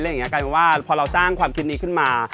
กลายเป็นว่าพอเราสร้างความคิดนี้ขึ้นมา